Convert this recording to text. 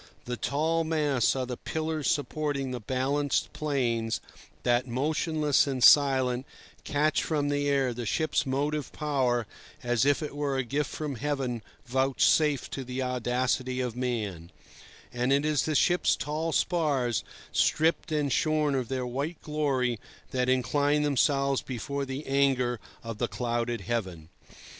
The tall masts are the pillars supporting the balanced planes that, motionless and silent, catch from the air the ship's motive power, as it were a gift from Heaven vouchsafed to the audacity of man; and it is the ship's tall spars, stripped and shorn of their white glory, that incline themselves before the anger of the clouded heaven.